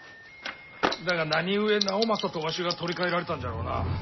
だが何故直政とわしが取り替えられたんじゃろうな。